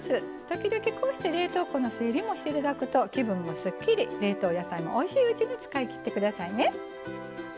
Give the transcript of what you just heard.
時々こうして冷凍庫の整理もしていただくと気分もすっきり冷凍野菜もおいしいうちに使い切ってくださいね。